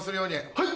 はい！